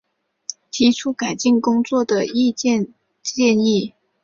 提出改进工作的意见建议